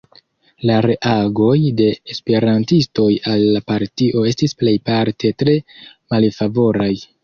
La reagoj de esperantistoj al la partio estis plejparte tre malfavoraj.